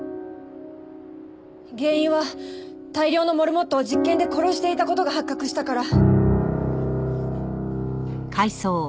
原因は大量のモルモットを実験で殺していた事が発覚したから。